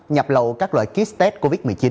nhập lậu các loại kit test covid một mươi chín